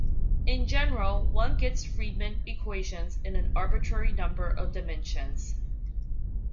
In general one gets Friedmann equations in an arbitrary number of dimensions.